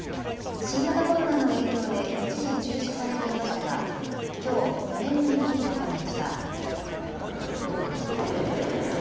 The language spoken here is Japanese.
新型コロナの影響で一時、中止されていましたがきょう４年ぶりに開かれました。